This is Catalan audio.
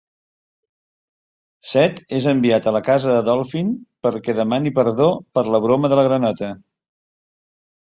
Seth és enviat a la casa de Dolphin perquè demani perdó per la broma de la granota.